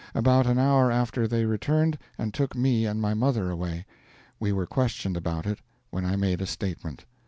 About an hour after they returned and took me and my mother away. We were questioned about it, when I made a statement.